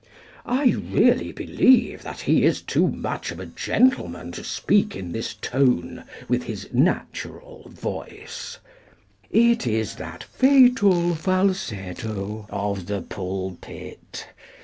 I really believe that he is too much of a gentleman to speak in this tone with his natural voice; it is that fatal falsetto of the pulpit.